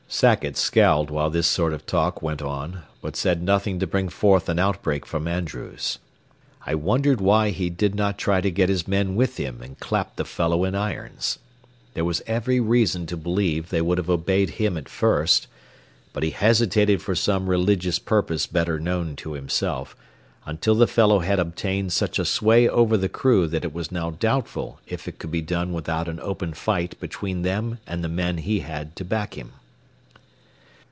Sackett scowled while this sort of talk went on, but said nothing to bring forth an outbreak from Andrews. I wondered why he did not try to get his men with him and clap the fellow in irons. There was every reason to believe they would have obeyed him at first, but he hesitated for some religious purpose better known to himself, until the fellow had obtained such a sway over the crew that it was now doubtful if it could be done without an open fight between them and the men he had to back him.